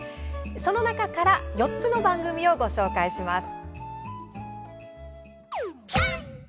その中から４つの番組をご紹介します。